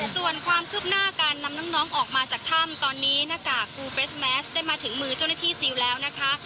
ส่วนความคืบหน้าการนำน้องออกมาจากถ้ำตอนนี้หน้ากากปูเฟรสแมสได้มาถึงมือเจ้าหน้าที่ซิลแล้วนะคะ